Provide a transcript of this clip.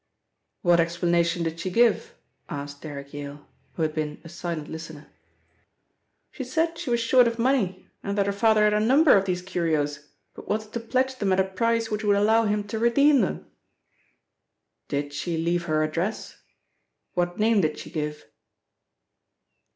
"What explanation did she give?" asked Derrick Yale, who had been a silent listener. "She said she was short of money and that her father had a number of these curios, but wanted to pledge them at a price which would allow him to redeem them." "Did she leave her address? What name did she give?"